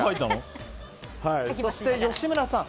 そして吉村さん